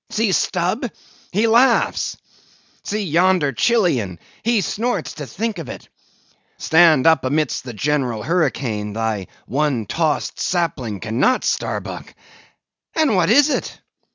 See Stubb! he laughs! See yonder Chilian! he snorts to think of it. Stand up amid the general hurricane, thy one tost sapling cannot, Starbuck! And what is it?